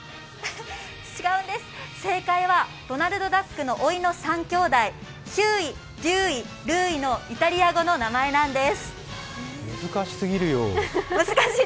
違うんです、正解はドナルドダックのおいの３兄弟、ヒューイ・デューイ・ルーイのイタリア語の名前なんです。